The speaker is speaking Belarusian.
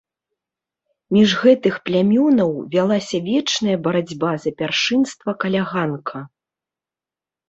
Між гэтых плямёнаў вялася вечная барацьба за пяршынства каля ганка.